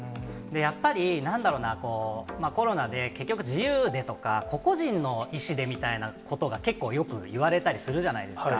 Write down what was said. やっぱり、なんだろうな、コロナで結局、自由でとか、個々人の意思でみたいなことが結構よく、言われたりするじゃないですか。